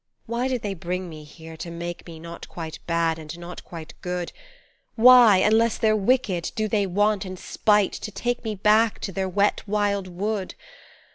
Why did They bring me here to make me Not quite bad and not quite good, Why, unless They're wicked, do They want, in spite, to take me Back to their wet, wild wood